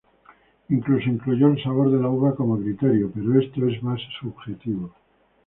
Incluso incluyó el sabor de la uva como criterio, pero esto es más subjetivo.